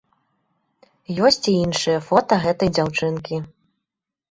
Ёсць і іншыя фота гэтай дзяўчынкі.